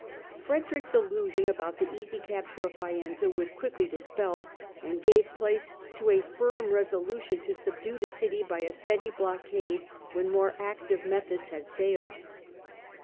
Frederick's illusion about the easy capture of Faenza was quickly dispelled, and gave place to a firm resolution to subdue the city by a steady blockade when more active methods had failed.